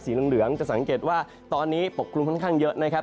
เหลืองจะสังเกตว่าตอนนี้ปกกลุ่มค่อนข้างเยอะนะครับ